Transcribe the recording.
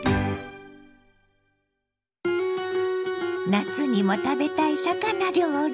夏にも食べたい魚料理。